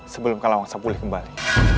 sebelum kalawangsa pulih kembali